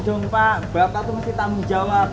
bapak tuh masih tamu jawab